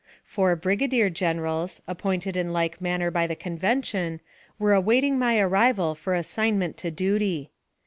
Four brigadier generals, appointed in like manner by the Convention, were awaiting my arrival for assignment to duty.